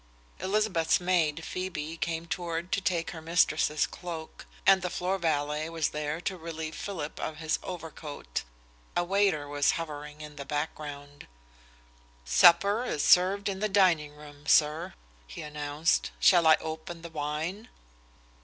Elizabeth's maid, Phoebe, came forward to take her mistress' cloak, and the floor valet was there to relieve Philip of his overcoat. A waiter was hovering in the background. "Supper is served in the dining room, sir," he announced. "Shall I open the wine?"